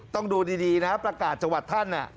ต้องดูดีนะประกาศจังหวัดท่าน